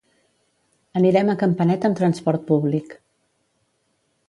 Anirem a Campanet amb transport públic.